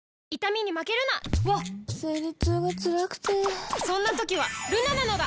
わっ生理痛がつらくてそんな時はルナなのだ！